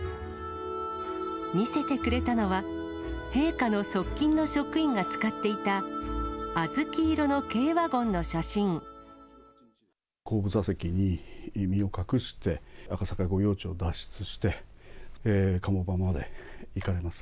見せてくれたのは、陛下の側近の職員が使っていた、後部座席に身を隠して、赤坂御用地を脱出して、鴨場まで行かれます。